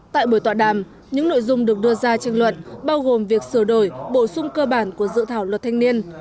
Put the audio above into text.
tại buổi tọa đàm những nội dung được đưa ra tranh luận bao gồm việc sửa đổi bổ sung cơ bản của dự thảo luật thanh niên